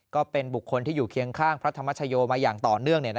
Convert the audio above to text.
ก็เป็นบุคคลที่อยู่เคียงข้างพระธรรมชโยมาอย่างต่อเนื่อง